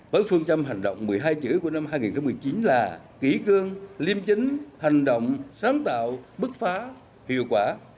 với phương châm hành động một mươi hai chữ của năm hai nghìn một mươi chín là kỹ cương liêm chính hành động sáng tạo bức phá hiệu quả